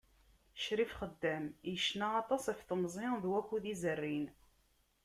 Ccrif Xeddam yecna aṭas ɣef temẓi d wakud izerrin.